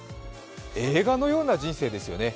映画のような人生ですよね。